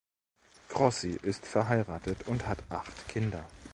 Grossi ist verheiratet und hat acht Kinder.